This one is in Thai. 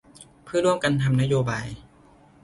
เพื่อร่วมกันทำนโยบาย